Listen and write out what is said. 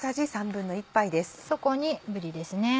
そこにぶりですね。